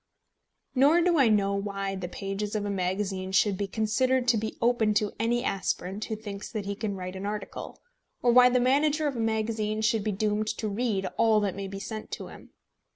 Nor do I know why the pages of a magazine should be considered to be open to any aspirant who thinks that he can write an article, or why the manager of a magazine should be doomed to read all that may be sent to him.